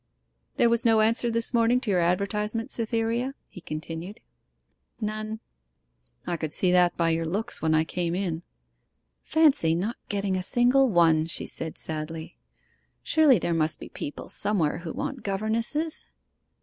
'There was no answer this morning to your advertisement, Cytherea?' he continued. 'None.' 'I could see that by your looks when I came in.' 'Fancy not getting a single one,' she said sadly. 'Surely there must be people somewhere who want governesses?